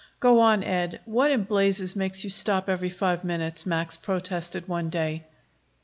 "Go on, Ed. What in blazes makes you stop every five minutes?" Max protested, one day.